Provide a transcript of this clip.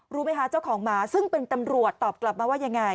รู้ไหมคะเจ้าของหมาซึ่งเป็นตำรวจตอบกลับมาว่ายังไง